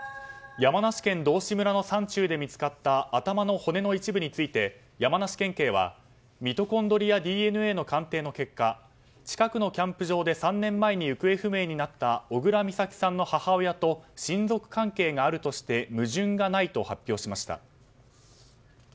山梨県道志村の山中で見つかった頭の骨の一部について山梨県警はミトコンドリアＤＮＡ鑑定の結果近くのキャンプ場で３年前に行方不明になった小倉美咲さんの母親と親族関係があるとして矛盾がないと発表しました。